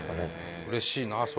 うれしいな、それ。